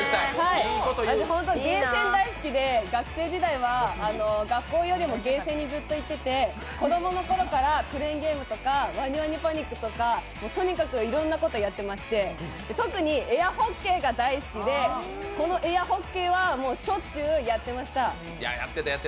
ゲーセン大好きで学生時代は学校よりもゲーセンにずっと行ってて子供の頃からクレーンゲームとかワニワニパニックとかとにかくいろんなことやっていまして、特にエアホッケーが大好きでこのエアホッケーはしょっちゅうやってました。